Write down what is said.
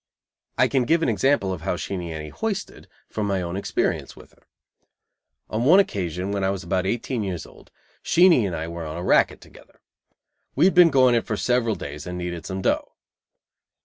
I can give an example of how Sheenie Annie "hoisted," from my own experience with her. On one occasion, when I was about eighteen years old, Sheenie and I were on a racket together. We had been "going it" for several days and needed some dough.